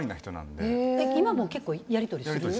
今も結構やり取りする？